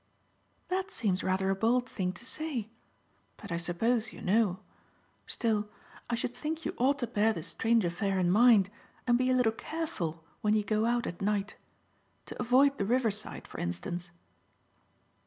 "That seems rather a bold thing to say, but I suppose you know. Still, I should think you ought to bear this strange affair in mind, and be a little careful when you go out at night; to avoid the riverside, for instance.